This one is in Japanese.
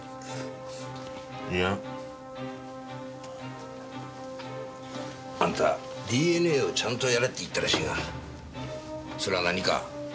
いや。あんたＤＮＡをちゃんとやれって言ったらしいがそれは何か？